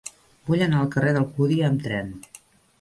Vull anar al carrer d'Alcúdia amb tren.